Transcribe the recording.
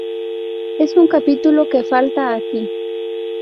Es un capítulo que falta aquí.